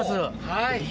はい。